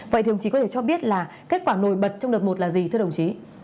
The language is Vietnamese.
vậy thì ông chí có thể cho biết là kết quả nổi bật trong đợt một là gì thưa đồng chí